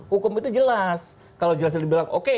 hukum itu jelas kalau jelas itu dibilang oke